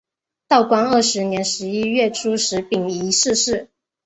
道光二十年十一月初十丙寅逝世。